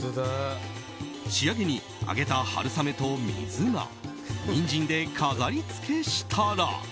仕上げに揚げた春雨と水菜ニンジンで飾りつけしたら。